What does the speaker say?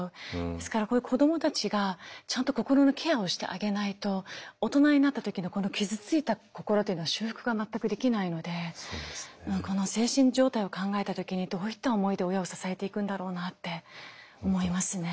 ですからこういう子どもたちがちゃんと心のケアをしてあげないと大人になった時のこの傷ついた心というのは修復が全くできないのでこの精神状態を考えた時にどういった思いで親を支えていくんだろうなって思いますね。